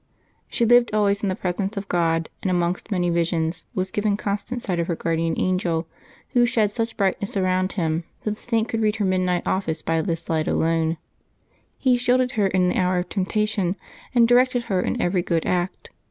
She lived al wa3^s in the presence of God, and amongst many visions was given constant sight of her angel guardian, who shed such brightness around him that the Saint could read her midnight Office by this light alone. He shielded her in the hour of temptation, and directed her in every good act.